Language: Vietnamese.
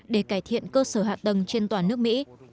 để cải thiện cơ sở hạ tầng trên toàn nước mỹ